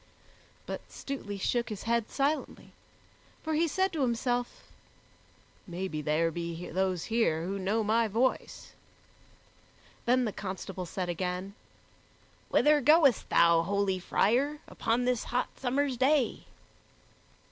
But Stutely shook his head silently, for he said to himself, "Maybe there be those here who know my voice." Then the constable said again, "Whither goest thou, holy friar, upon this hot summer's day?"